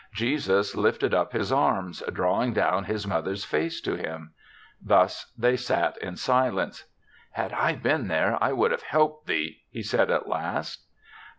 Jesus lifted up his arms, drawing down his mother's face to him. Thus they sat in silence. "Had I been there, I would have helped thee," he said at last.